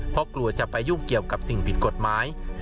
เพราะกลัวจะไปยุ่งเกี่ยวกับสิ่งผิดกฎหมาย